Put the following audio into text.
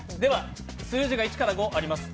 数字が１５あります。